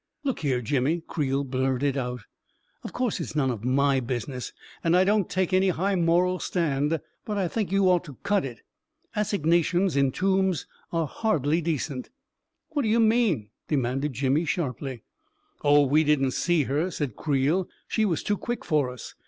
Look here, Jimmy," Creel blurted out, " of course it is none of my business, and I don't take any high moral stand — but I think you ought to cut it. Assignations in tombs are hardly de cent ..." "What do you mean?" demanded Jimmy sharply. "Oh, we didn't see her," said Creel; "she was too quick for us.